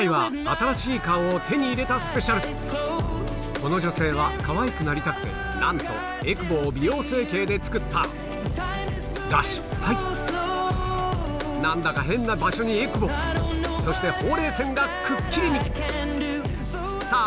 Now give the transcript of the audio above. この女性はかわいくなりたくてなんとえくぼを美容整形で作ったが失敗何だか変な場所にえくぼそしてほうれい線がくっきりにさぁ